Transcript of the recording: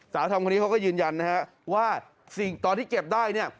ทำคนนี้เขาก็ยืนยันนะฮะว่าสิ่งตอนที่เก็บได้เนี่ย